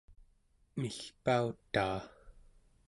milpautaa